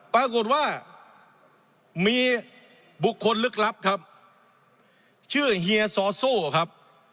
ปรากฏว่ามีบุคคลลึกลับครับชื่อเฮียซอโซ่ครับ